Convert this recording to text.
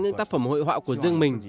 những tác phẩm hội họa của riêng mình